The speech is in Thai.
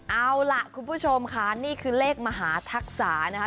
เอาล่ะคุณผู้ชมค่ะนี่คือเลขมหาทักษานะคะ